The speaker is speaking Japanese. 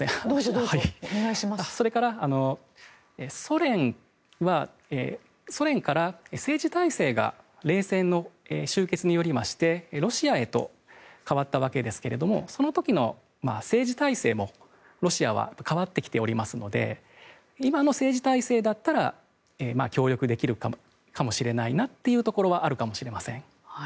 それからソ連から政治体制が冷戦の終結によりましてロシアへと変わったわけですけどもその時の政治体制も、ロシアは変わってきておりますので今の政治体制だったら協力できるかもしれないなというところはあるかもしれません。